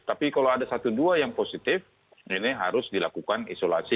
tapi kalau ada satu dua yang positif ini harus dilakukan isolasi